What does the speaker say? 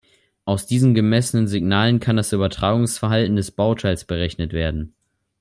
Aus diesen gemessenen Signalen kann das Übertragungsverhalten des Bauteils berechnet werden.